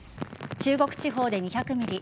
中国地方で２００ｍｍ